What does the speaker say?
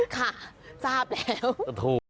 ค่ะทราบแล้ว